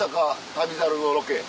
『旅猿』のロケ。